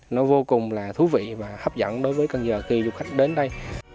nó vô cùng là thú vị và hấp dẫn đối với cần giờ khi du khách đến đây